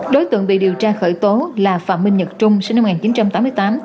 đối tượng bị điều tra khởi tố là phạm minh nhật trung sinh năm một nghìn chín trăm tám mươi tám